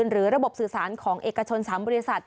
หรือระบบสื่อสารของเอกชน๓บริษัท